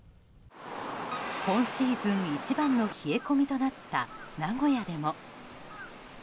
今シーズン一番の冷え込みとなった名古屋でも。